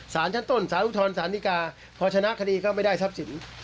สารชั้นต้นสารอุทธรสารนิกาพอชนะคดีก็ไม่ได้ทรัพย์สิน